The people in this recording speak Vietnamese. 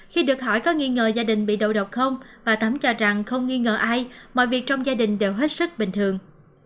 khi được hỏi có nghi ngờ gia đình bị đầu độc không bà thấm cho rằng không nghi ngờ ai mọi việc trong gia đình đều hết sức bình thường